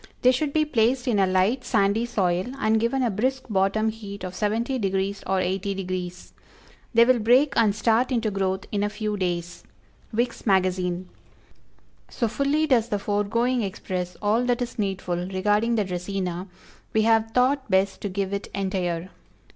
They should be placed in a light, sandy soil, and given a brisk bottom heat of 70° or 80° degrees. They will break and start into growth in a few days. Vick's Magazine. So fully does the foregoing express all that is needful regarding the Dracæna, we have thought best to give it entire.